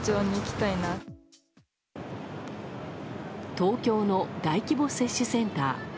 東京の大規模接種センター。